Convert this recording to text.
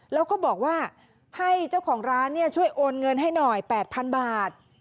แล้วก็บอกว่าให้เจ้าของร้านช่วยโอนเงินให้หน่อย๘๐๐๐บาท